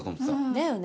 だよね。